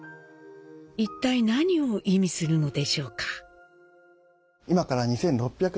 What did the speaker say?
いったい何を意味するのでしょうか。